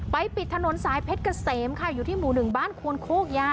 ปิดถนนสายเพชรเกษมค่ะอยู่ที่หมู่๑บ้านควนโคกยา